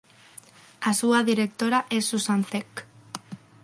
A súa directora é Susan Zech.